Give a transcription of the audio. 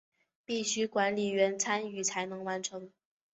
必须管理员参与才能完成。